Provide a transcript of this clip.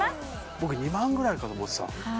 僕２万ぐらいかと思ってた